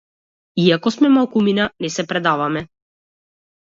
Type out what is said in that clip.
Иако сме малкумина не се предаваме.